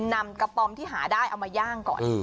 นำกระป๋อมที่หาได้เอามาย่างก่อน